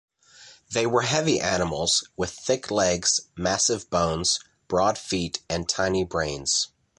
They were heavy animals, with thick legs, massive bones, broad feet, and tiny brains.